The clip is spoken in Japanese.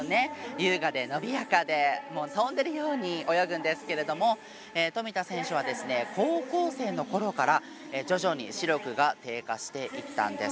優雅で伸びやかで飛んでるように泳ぐんですけど富田選手は高校生のころから徐々に視力が低下していったんです。